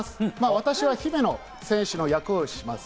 私は姫野選手の役をします。